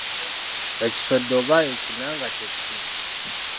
Ekisodde oba ekinanga kye ki?